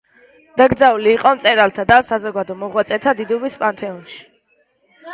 დაკრძალული იყო მწერალთა და საზოგადო მოღვაწეთა დიდუბის პანთეონში.